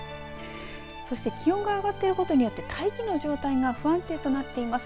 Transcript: そして、気温が上がっていることによって大気の状態が不安定となっています。